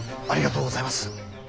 ありがとうございます。